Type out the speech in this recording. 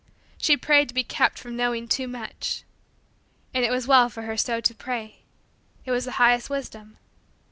She prayed to be kept from knowing too much. And it was well for her so to pray. It was the highest wisdom.